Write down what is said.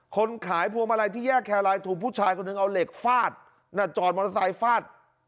คนขายพวงมาลัยที่แยกแครลายถูกผู้ชายคนหนึ่งเอาเหล็กฟาดน่ะจอดมอเตอร์ไซค์ฟาด